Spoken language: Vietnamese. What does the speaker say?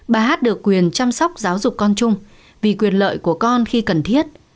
bà hát được quyền chăm sóc giáo dục con chung vì quyền lợi của con khi cần thiết